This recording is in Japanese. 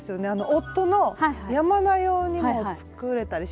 夫の山名用にも作れたりします？